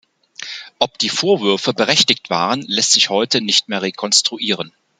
Ob die Vorwürfe berechtigt waren, lässt sich heute nicht mehr rekonstruieren.